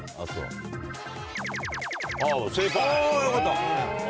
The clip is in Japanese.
あぁよかった。